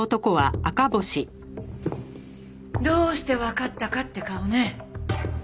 どうしてわかったかって顔ね。